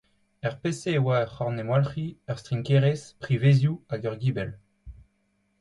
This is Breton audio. Er pezh-se e a oa ur c’horn-emwalc’hiñ, ur strinkerez, privezioù hag ur gibell.